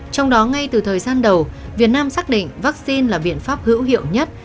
trong đó ngay từ thời gian đầu việt nam xác định vắc xin là biện pháp hữu hiệu nhất